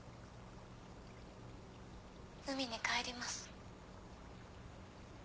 海に帰ります。